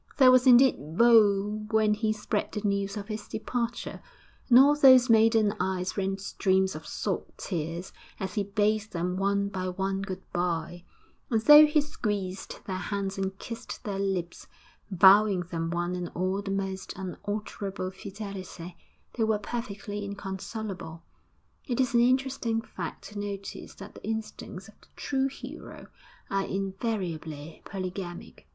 There was indeed woe when he spread the news of his departure; and all those maiden eyes ran streams of salt tears as he bade them one by one good bye; and though he squeezed their hands and kissed their lips, vowing them one and all the most unalterable fidelity, they were perfectly inconsolable. It is an interesting fact to notice that the instincts of the true hero are invariably polygamic....